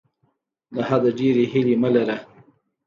له حده ډیرې هیلې مه لره.